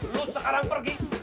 lo sekarang pergi